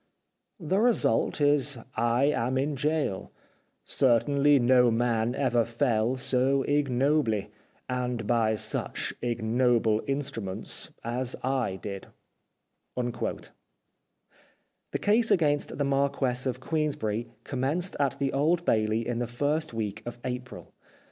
The result is I am in gaol. Certainly no man ever fell so ignobly, and by such ignoble instruments, as I did." The case against the Marquess of Queensberry commenced at the Old Bailey in the first week of April.